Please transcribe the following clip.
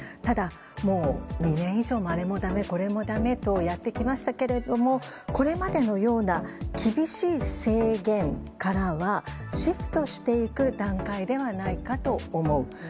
ただ、もう２年以上あれもだめ、これもだめとやってきましたけれどもこれまでのような厳しい制限からはシフトしていく段階ではないかと思う。